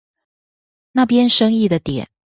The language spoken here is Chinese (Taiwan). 那邊生意的點